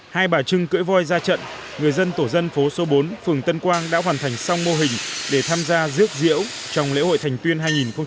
hai bà trưng cưỡi voi ra trận người dân tổ dân phố số bốn phường tân quang đã hoàn thành xong mô hình để tham gia rước diễu trong lễ hội thành tuyên hai nghìn một mươi chín